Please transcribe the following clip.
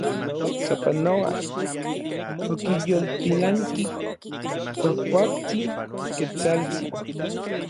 Sapanoa okiyoltilanki kuajkuaktsin Ketsaltsin.